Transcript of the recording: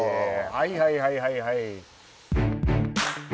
はいはいはいはいはい。